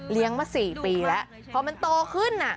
เลี้ยงมา๔ปีแล้วพอมันโตขึ้น